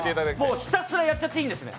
あっ、ひたすらやっちゃっていいんですね。